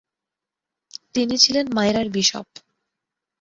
তিনি ছিলেন মায়রার বিশপ।